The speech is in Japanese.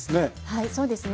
はいそうですね